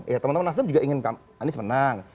ya teman teman nasdem juga ingin anies menang